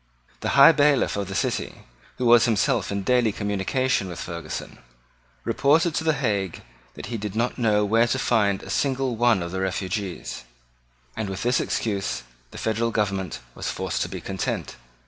The High Bailiff of the city, who was himself in daily communication with Ferguson, reported to the Hague that he did not know where to find a single one of the refugees; and with this excuse the federal government was forced to be content.